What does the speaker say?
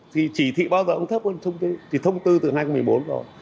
thì chỉ thị bao giờ cũng thấp hơn thông tư thì thông tư từ hai nghìn một mươi bốn rồi